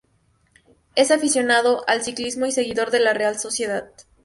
Es aficionado al ciclismo y seguidor de la Real Sociedad.